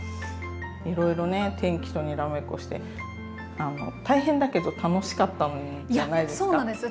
いろいろね天気とにらめっこして大変だけど楽しかったんじゃないですか？